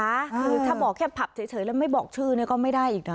คือถ้าบอกแค่ผับเฉยแล้วไม่บอกชื่อเนี่ยก็ไม่ได้อีกนะ